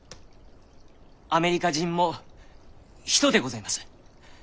アメリカ人も人でございます。